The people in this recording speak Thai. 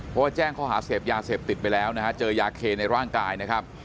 เพราะว่าแจ้งข้อหาเสพยาเสพติดไปแล้วนะฮะเจอยาเคในร่างกายนะครับ